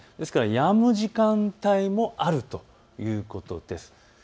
やむ時間帯もあるということです。